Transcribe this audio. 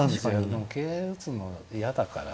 でも桂打つの嫌だから。